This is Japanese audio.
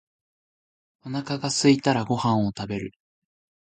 お腹がすいたらご飯を食べる。